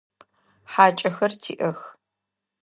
ХьакӀэхэр тиӀэх.